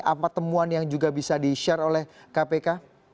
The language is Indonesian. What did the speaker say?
apa temuan yang juga bisa di share oleh kpk